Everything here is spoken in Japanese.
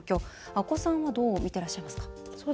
阿古さんはどう見ていらっしゃいますか？